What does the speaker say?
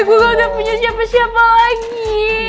gue gak punya siapa siapa lagi